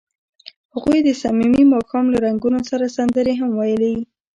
هغوی د صمیمي ماښام له رنګونو سره سندرې هم ویلې.